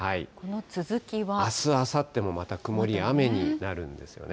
あす、あさってもまた曇りや雨になるんですよね。